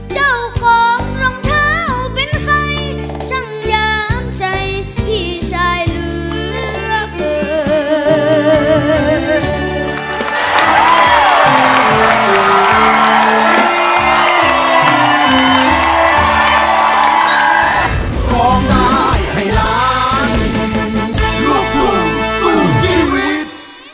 เจ้าห้องรองเท้าเป็นใครฉันย้ำใจพี่ชายเลือก